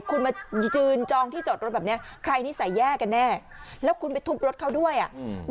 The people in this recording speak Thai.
คุณมายืนจองที่จอดรถแบบเนี้ยใครนิสัยแย่กันแน่แล้วคุณไปทุบรถเขาด้วยอ่ะอืม